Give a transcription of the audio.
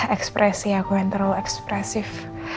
ekspresi aku yang terlalu ekspresif